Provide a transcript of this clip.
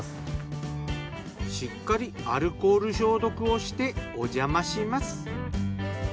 しっかりアルコール消毒をしておじゃまします。